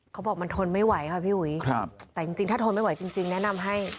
เขาบอกมันทนไม่ไหวค่ะพี่อุ๋ยครับแต่จริงถ้าทนไม่ไหวจริงแนะนำให้